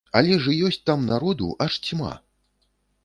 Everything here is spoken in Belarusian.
Але ж і ёсць там народу, аж цьма!